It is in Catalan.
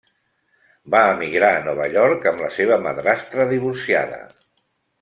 Va emigrar a Nova York amb la seva madrastra divorciada.